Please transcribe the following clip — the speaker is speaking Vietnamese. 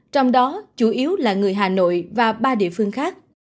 trong đó chủ yếu là người hà nội và ba địa phương khác